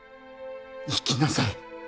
生きなさい。